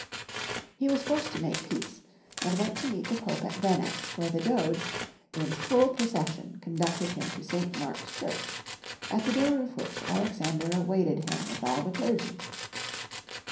He was forced to make peace, and went to meet the Pope at Venice, where the Doge, in full pro cession conducted him to St. Mark's Church, at the door of which Alexander awaited him with all the clergy.